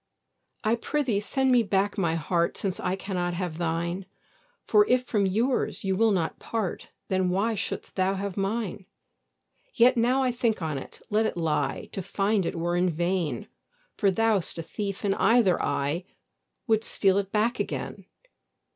I pr'ythee send me back my heart, Since I cannot have thine; For if from yours you will not part, Why then shouldst thou have mine? Yet now I think on't, let it lie; To find it were in vain, For thou'st a thief in either eye Would steal it back again.